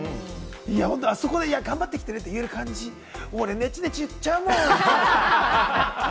あそこで「頑張ってきてね」って言える感じ、俺、ネチネチ言っちゃうもん。